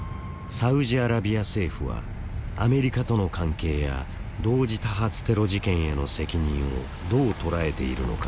サウジアラビア政府はアメリカとの関係や同時多発テロ事件への責任をどう捉えているのか。